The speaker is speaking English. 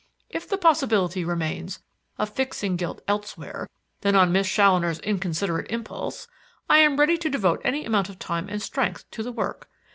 If the possibility remains of fixing guilt elsewhere than on Miss Challoner's inconsiderate impulse, I am ready to devote any amount of time and strength to the work.